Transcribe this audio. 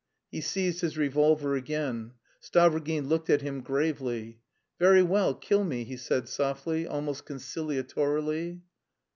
He seized his revolver again. Stavrogin looked at him gravely. "Very well, kill me," he said softly, almost conciliatorily.